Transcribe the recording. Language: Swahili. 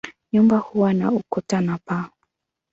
Nyumba huwa na ukuta na paa.